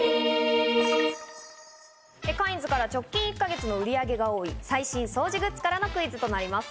カインズから直近１か月の売り上げが多い最新掃除グッズからのクイズとなります。